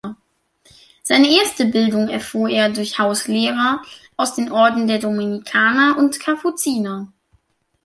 Seine erste Bildung erfuhr er durch Hauslehrer aus den Orden der Dominikaner und Kapuziner.